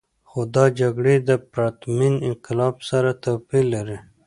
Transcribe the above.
خو دا جګړې له پرتمین انقلاب سره توپیر لري.